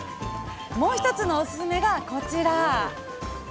もう一つのおススメがこちら！